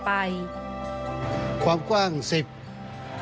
ช่วยให้สามารถสัมผัสถึงความเศร้าต่อการระลึกถึงผู้ที่จากไป